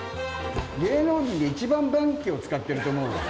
芸能人で一番万協を使ってると思う。